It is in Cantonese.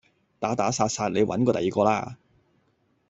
打打殺殺你搵過第二個啦